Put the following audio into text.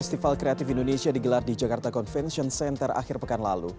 festival kreatif indonesia digelar di jakarta convention center akhir pekan lalu